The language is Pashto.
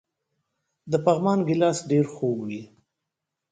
د پغمان ګیلاس ډیر خوږ وي.